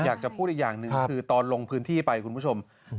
อยากจะพูดอีกอย่างหนึ่งคือตอนลงพื้นที่ไปคุณผู้ชม